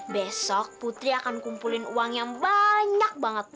besok putri akan kumpulin uang yang banyak banget